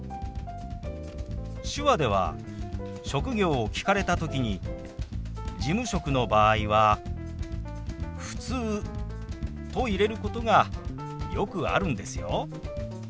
手話では職業を聞かれた時に事務職の場合は「ふつう」と入れることがよくあるんですよ。